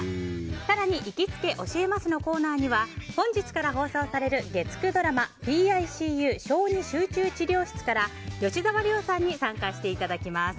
更に、行きつけ教えます！のコーナーには本日から放送される月９ドラマ「ＰＩＣＵ小児集中治療室」から吉沢亮さんに参加していただきます。